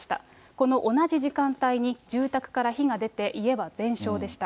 この同じ時間帯に、住宅から火が出て、家は全焼でした。